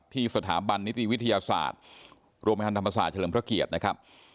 ที่สถาบันนิติวิทยาศาสตร์โรงพยาบาลธรรมศาสตร์เฉลิมพระเกียรตินะครับ